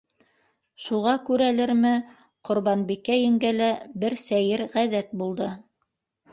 Шуға күрәлерме, Ҡорбанбикә еңгәлә бер сәйер ғәҙәт булды.